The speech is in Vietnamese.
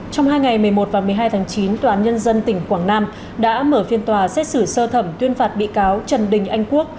trong hai ngày một mươi một và một mươi hai tháng chín tòa án nhân dân tỉnh quảng nam đã mở phiên tòa xét xử sơ thẩm tuyên phạt bị cáo trần đình anh quốc